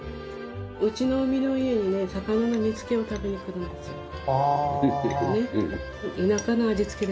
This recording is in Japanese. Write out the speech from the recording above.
うちの海の家に魚の煮つけを食べに来るんです。